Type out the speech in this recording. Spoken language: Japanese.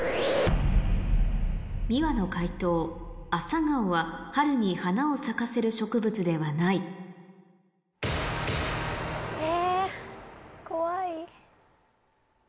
ｍｉｗａの解答アサガオは春に花を咲かせる植物ではないえ怖い。